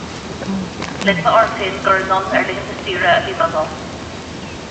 Lig mé orm féin gur anonn ar laethanta saoire a bhí mé ag dul.